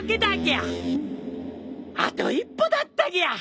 あと一歩だったぎゃ。